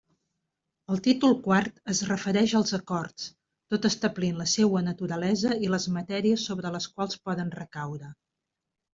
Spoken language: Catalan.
El títol quart es refereix als acords, tot establint la seua naturalesa i les matèries sobre les quals poden recaure.